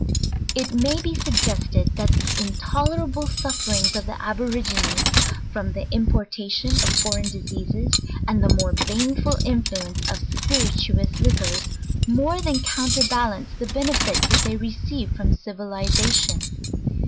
It may be suggested that the intolerable sufferings of the Aborigines, from the importation of foreign diseases, and the more banetiil influence of spirituous liquors, more than counterbalance the benefits ihat they receive from civiliza tion.